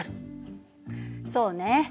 そうね。